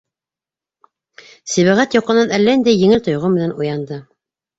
Сибәғәт йоҡонан әллә ниндәй еңел тойғо менән уянды.